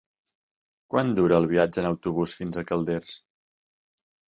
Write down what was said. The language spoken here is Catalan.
Quant dura el viatge en autobús fins a Calders?